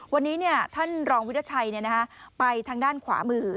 วันนี้ท่านรองวิทยาชัยไปทางด้านขวามือ